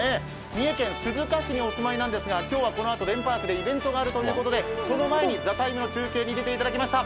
三重県鈴鹿市にお住まいなんですが、今日はこのあとデンパークでイベントがあるということでその前に「ＴＨＥＴＩＭＥ，」の中継に出ていただきました。